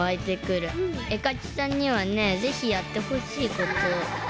えかきさんにはねぜひやってほしい。